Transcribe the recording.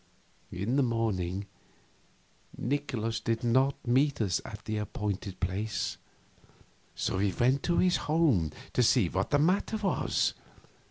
In the morning Nikolaus did not meet us at the appointed place, so we went to his home to see what the matter was.